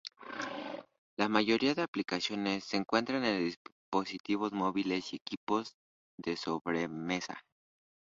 La mayoría de aplicaciones se encuentran en dispositivos móviles y equipos de sobremesa.